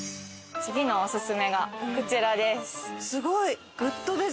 すごい！